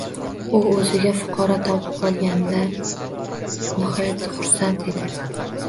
U o‘ziga fuqaro topib olganidan nihoyatda xursand edi